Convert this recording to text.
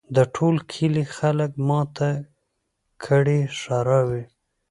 د ټول کلي خلک ماته کړي ښراوي